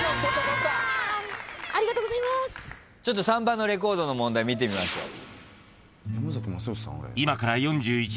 ３番のレコードの問題見てみましょう。